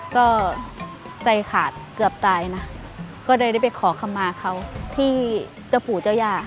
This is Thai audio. ก็ใจขาดเกือบตายนะก็เลยได้ไปขอคำมาเขาที่เจ้าปู่เจ้าย่า